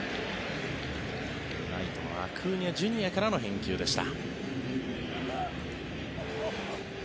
ライトのアクーニャＪｒ．からの返球でした。